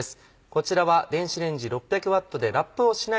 こちらは。